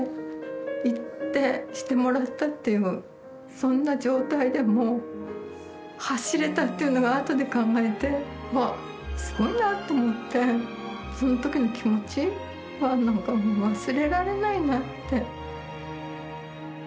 そんな状態でも走れたっていうのがあとで考えてすごいなと思ってそのときの気持ちは何かもう忘れられないなって。